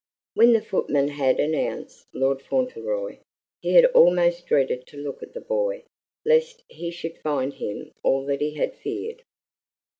When the footman had announced Lord Fauntleroy, he had almost dreaded to look at the boy lest he should find him all that he had feared.